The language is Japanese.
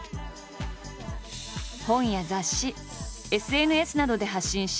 本や雑誌ＳＮＳなどで発信し